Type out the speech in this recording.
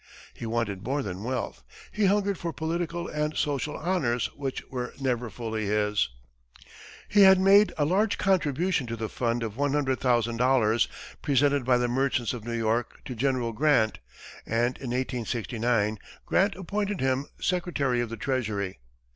He wanted more than wealth he hungered for political and social honors which were never fully his. He had made a large contribution to the fund of $100,000 presented by the merchants of New York to General Grant, and in 1869, Grant appointed him secretary of the treasury.